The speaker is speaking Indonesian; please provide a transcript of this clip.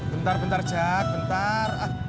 bentar bentar jack bentar